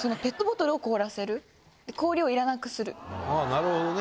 なるほどね。